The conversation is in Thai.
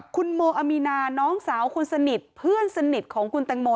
คุณโมอามีนาน้องสาวคนสนิทเพื่อนสนิทของคุณแตงโม